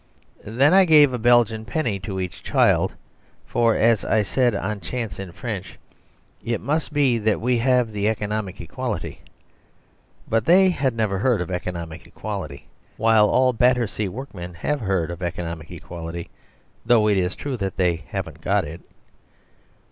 Then I gave a Belgian penny to each child, for as I said on chance in French, "It must be that we have the economic equality." But they had never heard of economic equality, while all Battersea workmen have heard of economic equality, though it is true that they haven't got it.